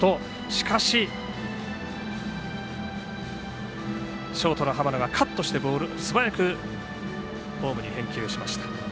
しかしショートの浜野がカットしすばやくホームに返球しました。